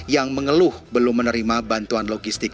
yang mengeluh belum menerima bantuan logistik